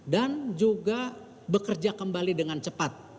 dan juga bekerja kembali dengan cepat